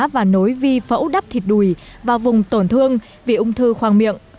và nối vi phẫu đắp thịt đùi vào vùng tổn thương vì ung thư khoang miệng